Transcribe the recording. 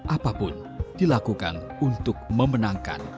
apapun dilakukan untuk memenangkan